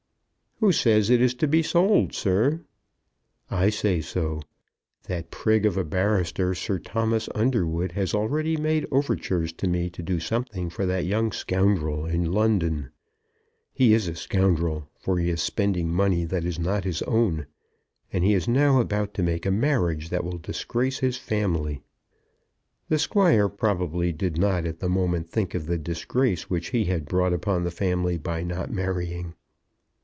"Who says it is to be sold, sir?" "I say so. That prig of a barrister, Sir Thomas Underwood, has already made overtures to me to do something for that young scoundrel in London. He is a scoundrel, for he is spending money that is not his own. And he is now about to make a marriage that will disgrace his family." The Squire probably did not at the moment think of the disgrace which he had brought upon the family by not marrying.